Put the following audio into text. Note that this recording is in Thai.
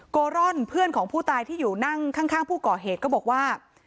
กร่อนเพื่อนของผู้ตายที่อยู่นั่งข้างผู้ก่อเหตุก็บอกว่า